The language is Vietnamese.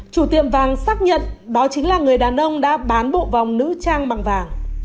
chủ tiệm vàng xác nhận đó chính là người đàn ông đã bán bộ vòng nữ trang bằng vàng